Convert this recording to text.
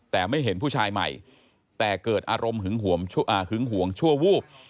แต่ไม่เห็นผู้ชายใหม่แต่เกิดอารมณ์หึงห่วงชั่ววูบ